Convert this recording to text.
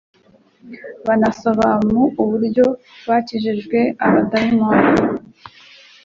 banasobamua uburyo bakijijwe abadayinioni.